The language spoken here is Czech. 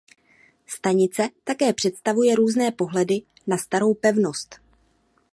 Stanice také představuje různé pohledy na starou pevnost.